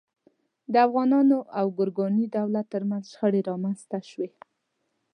د افغانانو او ګورکاني دولت تر منځ شخړې رامنځته شوې.